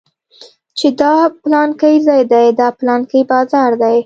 چې دا پلانکى ځاى دى دا پلانکى بازار دى.